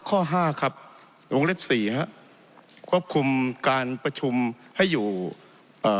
ข้อห้าครับวงเล็บสี่ฮะควบคุมการประชุมให้อยู่เอ่อ